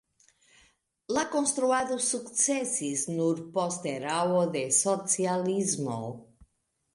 La konstruado sukcesis nur post erao de socialismo.